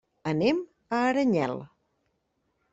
Anem a Aranyel.